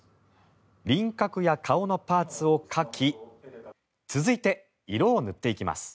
輪郭や顔のパーツを描き続いて色を塗っていきます。